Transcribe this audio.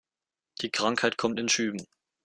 Die Krankheit kommt in Schüben.